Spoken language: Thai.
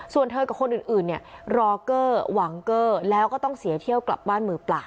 ส่วนเธอกับคนอื่นเนี่ยรอเกอร์หวังเกอร์แล้วก็ต้องเสียเที่ยวกลับบ้านมือเปล่า